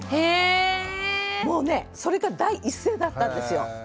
もうねそれが第一声だったんですよ。